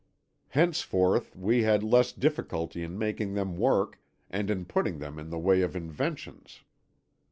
Henceforth we had less difficulty in making them work and in putting them in the way of inventions.